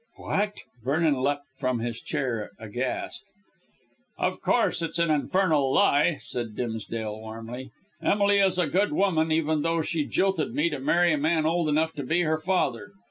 "What?" Vernon leaped from his chair aghast. "Of course, it's an infernal lie," said Dimsdale warmly. "Emily is a good woman, even though she jilted me to marry a man old enough to be her father.